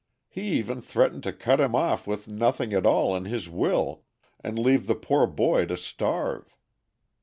He even threatened to cut him off with nothing at all in his will, and leave the poor boy to starve.